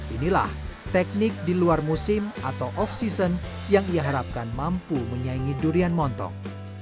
inilah teknik di luar musim atau off season yang ia harapkan mampu menyaingi durian montong